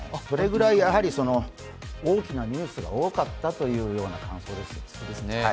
それぐらい大きなニュースが多かったという感想ですね。